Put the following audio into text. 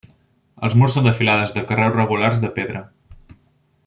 Els murs són de filades de carreus regulars de pedra.